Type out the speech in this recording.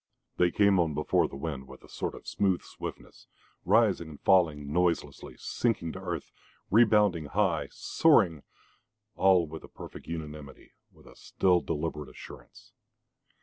They came on before the wind with a sort of smooth swiftness, rising and falling noiselessly, sinking to earth, rebounding high, soaring all with a perfect unanimity, with a still, deliberate assurance.